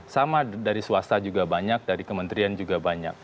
sama dari swasta juga banyak dari kementerian juga banyak